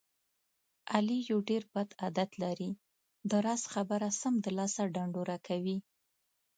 علي یو ډېر بد عادت لري. د راز خبره سمدلاسه ډنډوره کوي.